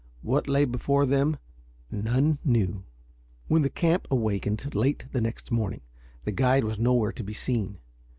What lay before them none knew. When the camp awakened, late the next morning, the guide was nowhere to be seen.